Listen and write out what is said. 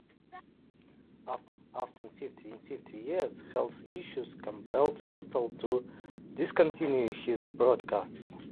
After more than fifty years, health issues compelled Estell to discontinue his broadcasts.